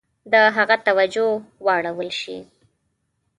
د هغه توجه واړول شي.